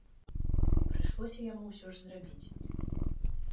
Прыйшлося яму ўсё ж зрабіць.